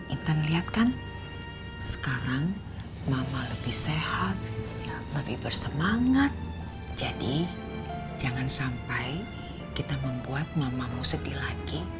intan lihat kan sekarang mama lebih sehat lebih bersemangat jadi jangan sampai kita membuat mamamu sedih lagi